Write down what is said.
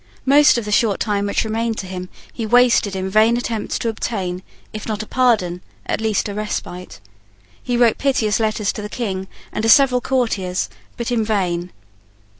Most of the short time which remained to him he wasted in vain attempts to obtain, if not a pardon, at least a respite. He wrote piteous letters to the King and to several courtiers, but in vain.